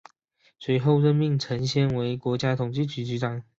随后任命陈先为国家统计局局长。